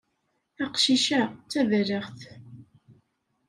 Aqcic-a d taballaɣt.